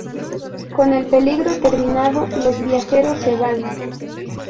Con el peligro terminado, los viajeros se van.